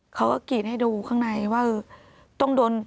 เขาก็กรีดให้ดูข้างในว่าต้องโดน